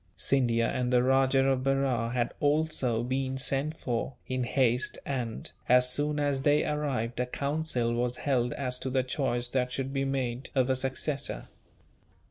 Scindia and the Rajah of Berar had also been sent for, in haste and, as soon as they arrived, a council was held as to the choice that should be made of a successor.